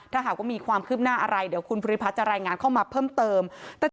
ถ้าหากว่ามีความคืบหน้าอะไรเดี๋ยวคุณภูริพัฒน์จะรายงานเข้ามาเพิ่มเติม